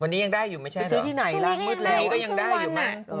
วันนี้ยังได้อยู่ไม่ใช่เหรอวันนี้ก็ยังได้อยู่น่ะ